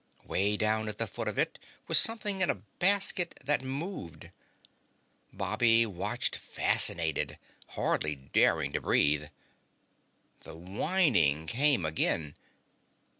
Way down at the foot of it was something in a basket, that moved. Bobby watched fascinated, hardly daring to breathe. The whining came again.